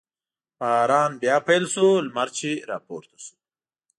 باران بیا پیل شو، لمر چې را پورته شو.